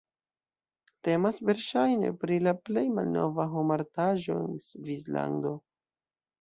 Temas verŝajne pri la plej malnova homa artaĵo en Svislando.